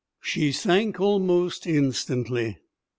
She sank almost instantaneously.